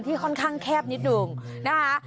ที่ค่อนข้างแคบนิดหน่อย